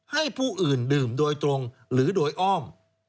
ให้ผู้อื่นดื่มโดยตรงหรือโดยอ้อม